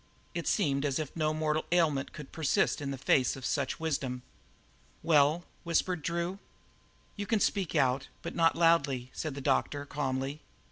It seemed as if no mortal ailment could persist in the face of such wisdom. "Well?" whispered Drew. "You can speak out, but not loudly," said the doctor calmly.